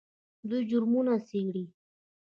دوی جرمونه څیړي.